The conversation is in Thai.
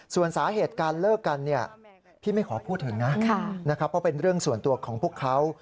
ส่วนสาเหตุการเลิกกันเนี่ยพี่ไม่ขอพูดถึงนะนะครับเพราะเป็นเรื่องส่วนตัวของพวกเขา